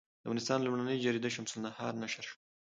د افغانستان لومړنۍ جریده شمس النهار نشر شوه.